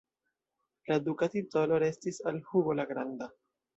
La duka titolo restis al Hugo la Granda.